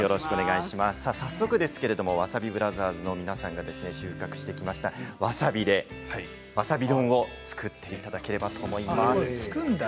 早速ですがわさびブラザーズの皆さんが収穫したわさびでわさび丼を作っていただければと思います。